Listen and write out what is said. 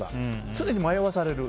常に迷わされる。